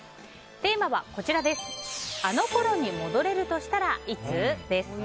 テーマは、あの頃に戻れるとしたら、いつ？です。